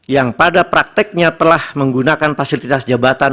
yang pada prakteknya telah menggunakan fasilitas jabatan